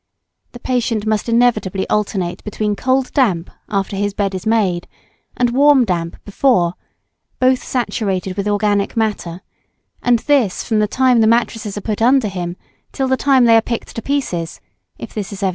The patient must inevitably alternate between cold damp after his bed is made, and warm damp before, both saturated with organic matter, and this from the time the mattresses are put under him till the time they are picked to pieces, if this is ever done.